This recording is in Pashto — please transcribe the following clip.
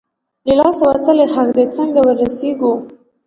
له لاسه وتلی حق دی، څنګه ورسېږو؟